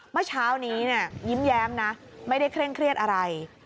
เมื่อเช้านี้ยิ้มแย้มนะไม่ได้เคร่งเครียดอะไร